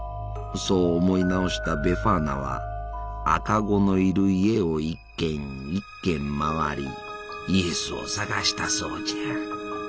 そう思い直したベファーナは赤子のいる家を一軒一軒回りイエスを捜したそうじゃ。